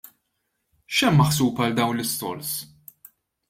X'hemm maħsub għal dawn l-istalls?